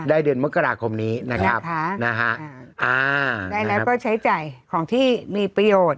เดือนมกราคมนี้นะครับนะฮะอ่าได้แล้วก็ใช้จ่ายของที่มีประโยชน์